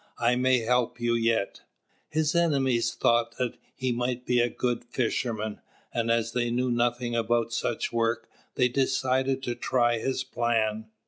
I may help you yet." His enemies thought that he might be a good fisherman; and as they knew nothing about such work, they decided to try his plan.